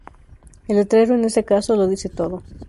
El letrero en este caso lo dice todo.